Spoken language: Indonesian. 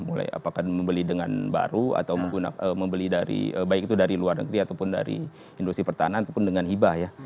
mulai apakah membeli dengan baru atau membeli dari baik itu dari luar negeri ataupun dari industri pertahanan ataupun dengan hibah ya